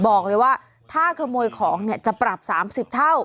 บอกเลยว่าถ้าขโมยของเนี่ยจะปรับ๓๐เท่า